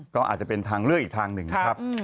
ก็อาจจะเป็นทางเลือกอีกทางหนึ่งนะครับ